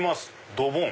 ドボン。